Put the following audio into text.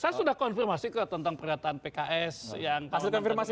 saya sudah konfirmasi kok tentang pernyataan pks